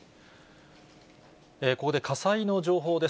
ここで火災の情報です。